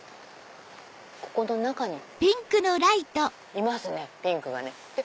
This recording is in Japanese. ここの中にいますねピンクが。